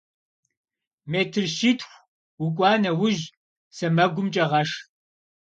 Метр щитху укӏуа нэужь, сэмэгумкӏэ гъэш.